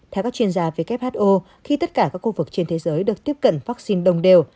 theo các chuyên gia who khi tất cả các khu vực trên thế giới được tiếp cận vaccine đồng đều